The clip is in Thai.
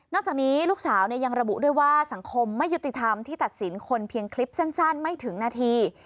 จากนี้ลูกสาวยังระบุด้วยว่าสังคมไม่ยุติธรรมที่ตัดสินคนเพียงคลิปสั้นไม่ถึงนาที